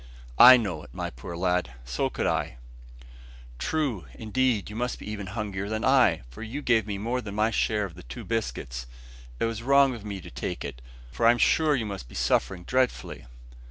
"I know it, my poor lad; so could I." "True! indeed you must be even hungrier than I, for you gave me more than my share of the two biscuits. It was wrong of me to take it, for I'm sure you must be suffering dreadfully."